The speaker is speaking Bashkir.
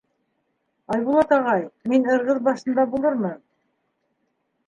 — Айбулат ағай, мин Ырғыҙ башында булырмын.